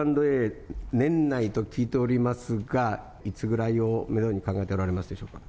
Ｑ＆Ａ、年内と聞いておりますが、いつぐらいをメドに考えておられますでしょうか。